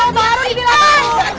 baru ibu bilang